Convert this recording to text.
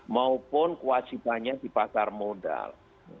maupun kewajibannya di pasar modal